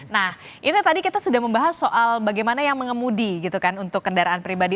nah ini tadi kita sudah membahas soal bagaimana yang mengemudi gitu kan untuk kendaraan pribadi